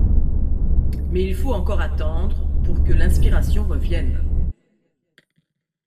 Mais il faut encore attendre pour que l'inspiration revienne.